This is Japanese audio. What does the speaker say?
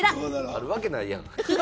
あるわけないやん！